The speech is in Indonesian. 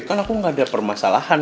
kan aku gak ada permasalahan